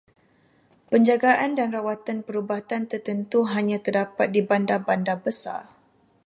Penjagaan dan rawatan perubatan tertentu hanya terdapat di bandar-bandar besar.